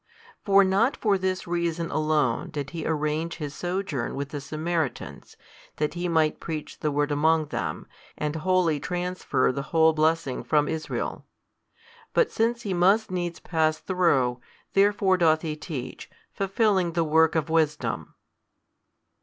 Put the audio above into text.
For not for this reason alone did He arrange His sojourn with the Samaritans, that He might preach the word among them, and wholly transfer the whole blessing from Israel: but since He must needs pass through, therefore doth He teach, fulfilling the work of wisdom.